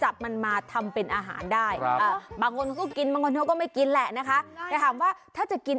แบบไห้สุด